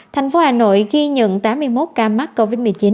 thành phố hà nội ghi nhận tám mươi một ca mắc covid một mươi chín